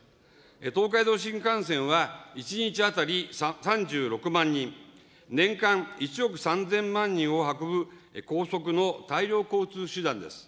東海道新幹線は、１日当たり３６万人、年間１億３０００万人を運ぶ、高速の大量交通手段です。